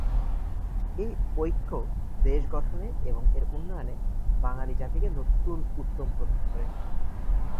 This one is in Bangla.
এই ঐক্য দেশ গঠনে এবং এর উন্নয়নে বাঙালিজাতিকে নতুন উদ্যম প্রদান করে।